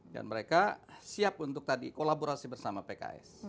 dan mereka siap untuk kolaborasi bersama pks